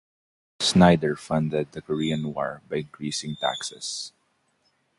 Snyder funded the Korean War by increasing taxes.